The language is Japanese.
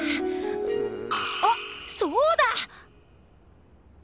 うんあっそうだ！